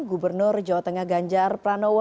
gubernur jawa tengah ganjar pranowo